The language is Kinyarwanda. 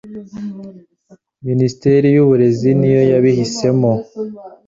Minisiteri y'Uburezi niyo yabihisemo